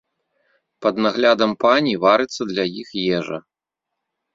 Пад наглядам пані варыцца для іх ежа.